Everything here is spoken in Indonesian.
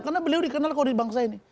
karena beliau dikenal kode bangsa ini